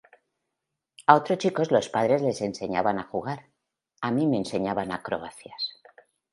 A otros chicos los padres les enseñaban a jugar, a mí me enseñaban acrobacias.